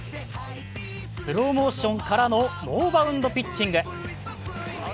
スローモーションからのノーバウンドピッチング。